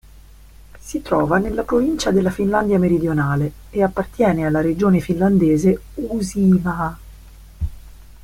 Si trova nella provincia della Finlandia meridionale e appartiene alla regione finlandese Uusimaa.